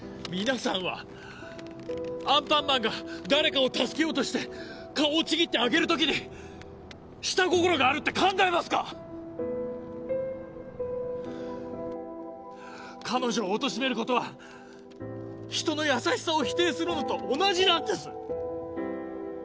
皆さんはアンパンマンが誰かを助けようとして顔をちぎってあげる時に下心があるって考えますか⁉彼女をおとしめることは人の優しさを否定するのと同じなんです！